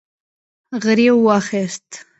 غريو واخيست.